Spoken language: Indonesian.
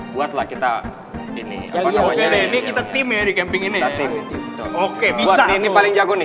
buatlah kita ini oke ini kita tim ya di kepinginnya tim oke bisa ini paling jago nih